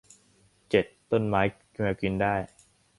เจ็ด ต้นไม้แมวกินได้